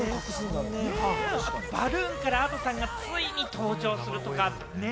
バルーンからＡｄｏさんがついに登場するとかね。